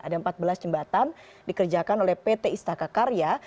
ada empat belas jembatan dikerjakan oleh pt istaka karya